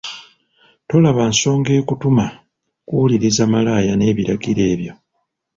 Tolaba nsonga ekutuuma kuwuliriza malaaya n’ebiringa ebyo .